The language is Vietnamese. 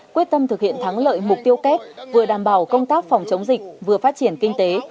quyết tâm thực hiện thắng lợi mục tiêu kép vừa đảm bảo công tác phòng chống dịch vừa phát triển kinh tế